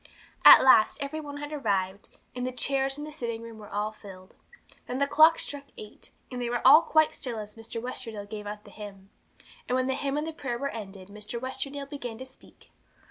At last every one had arrived, and the chairs in the sitting room were all filled. Then the clock struck eight, and they were all quite still as Mr. Westerdale gave out the hymn. And when the hymn and the prayer were ended, Mr. Westerdale began to speak.